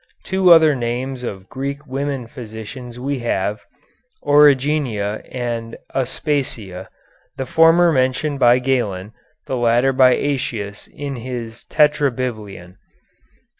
Two other names of Greek women physicians we have, Origenia and Aspasia, the former mentioned by Galen, the latter by Aëtius in his "Tetrabiblion."